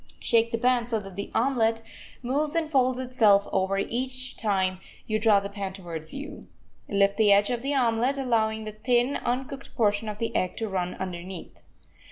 Shake the pan so that the omelet moves and folds itself over each time you draw the pan towards you. Lift the edge of the omelet, allowing the thin, uncooked portion of the egg to run underneath.